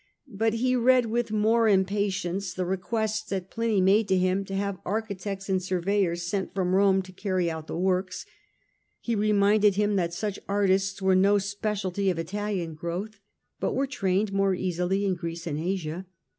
But he read with more impatience the requests that Pliny made to him to have architects and surveyors sent from Rome to carry out the works : he reminded him that such artists were no specialty of Italian growth, but were trained more easily in Greece and Asia.